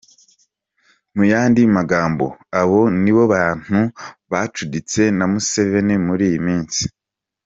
Mu yandi magambo, abo nibo bantu bacuditse na Museveni muri iyi minsi.